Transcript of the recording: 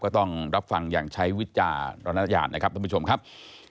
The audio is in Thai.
ต้องรับฟังอย่างใช้วิจารณญาณนะครับท่านผู้ชมครับ